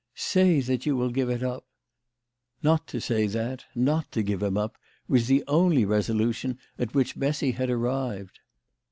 " Say that you will give it up." Not to say that, not to grge him up, was the only reso lution at which Bessy had arrived.